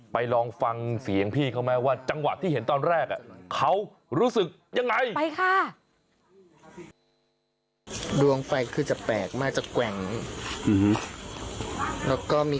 ลองฟังเสียงพี่เขาไหมว่าจังหวะที่เห็นตอนแรกเขารู้สึกยังไงไปค่ะ